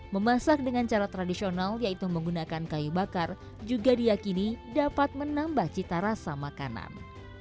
memasak dengan cara tradisional yaitu menggunakan kayu bakar juga diyakini dapat menambah cita rasa makanan